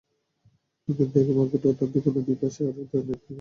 কিন্তু একই মার্কেটে তাঁর দোকানের দুই পাশে আরও নয়টি দোকান রয়েছে।